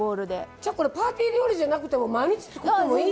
じゃあこれパーティー料理じゃなくても毎日作ってもいい。